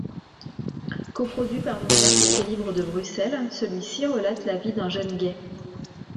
Coproduit par l'Université libre de Bruxelles, celui-ci relate la vie d'un jeune gay.